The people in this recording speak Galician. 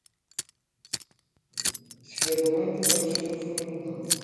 Discretamente, pero sendo fundamental.